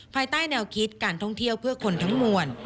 ภายใต้แนวคิดการท่องเที่ยวเพื่อคนทั้งมวล